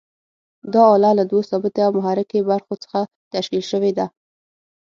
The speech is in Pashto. دا آله له دوو ثابتې او متحرکې برخو څخه تشکیل شوې ده.